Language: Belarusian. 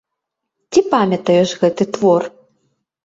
Ці памятаеш гэты твор?